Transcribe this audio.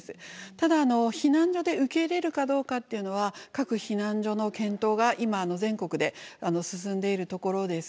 ただあの避難所で受け入れるかどうかっていうのは各避難所の検討が今全国で進んでいるところです。